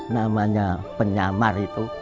namanya penyamar itu